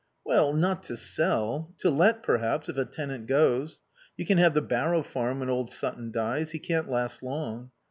"Well, not to sell. To let, perhaps, if a tenant goes. You can have the Barrow Farm when old Sutton dies. He can't last long.